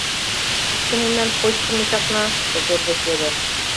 — Кушто мемнан почто мешакна? — шофёр деч йодо.